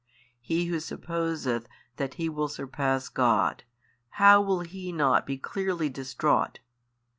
he who supposeth that he will surpass God, how will he not be clearly distraught?